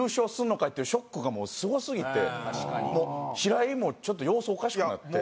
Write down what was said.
いっていうショックがすごすぎて平井もちょっと様子おかしくなって。